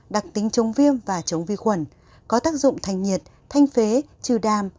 đặc tính chống viêm và chống vi khuẩn có tác dụng thành nhiệt thanh phế trừ đàm